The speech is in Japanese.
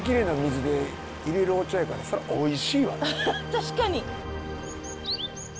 確かに！